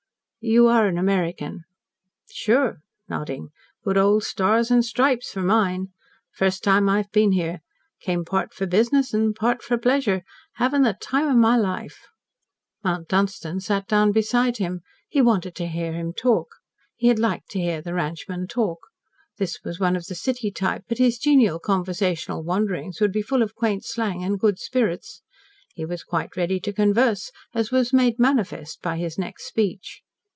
"You are an American?" "Sure," nodding. "Good old Stars and Stripes for mine. First time I've been here. Came part for business and part for pleasure. Having the time of my life." Mount Dunstan sat down beside him. He wanted to hear him talk. He had liked to hear the ranchmen talk. This one was of the city type, but his genial conversational wanderings would be full of quaint slang and good spirits. He was quite ready to converse, as was made manifest by his next speech.